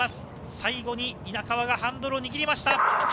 最後に稲川がハンドルを握りました。